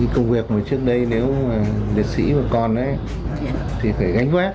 công việc mà trước đây nếu liệt sĩ còn thì phải gánh quát